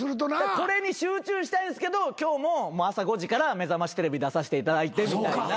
これに集中したいんですけど今日も朝５時から『めざましテレビ』出させていただいてみたいな。